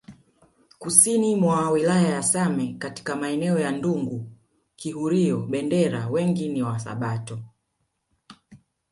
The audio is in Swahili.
Kusini mwa wilaya ya Same katika maeneo ya Ndungu Kihurio Bendera wengi ni wasabato